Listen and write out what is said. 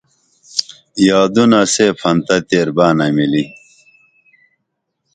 یارو نہ سے پھنستہ تیر بنہ مِلی